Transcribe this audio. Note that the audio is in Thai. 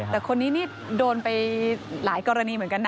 แต่คนนี้นี่โดนไปหลายกรณีเหมือนกันนะ